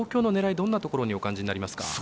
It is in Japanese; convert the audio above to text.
どんなとこにお感じになりますか？